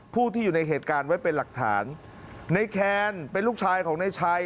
ผู้ที่อยู่ในเหตุการณ์ไว้เป็นหลักฐานในแคนเป็นลูกชายของนายชัย